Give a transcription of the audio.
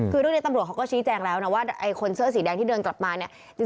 คือเรื่องนี้ตำรวจเขาก็ชี้แจงแล้วนะว่าไอ้คนเสื้อสีแดงที่เดินกลับมาเนี่ย